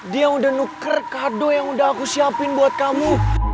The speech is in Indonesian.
dia udah nuker kado yang udah aku siapin buat kamu